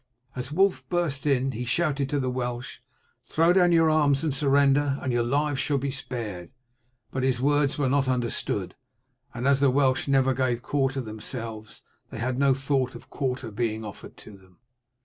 As Wulf burst in he shouted to the Welsh, "Throw down your arms and surrender, and your lives shall be spared" but his words were not understood, and as the Welsh never gave quarter themselves they had no thought of quarter being offered to them.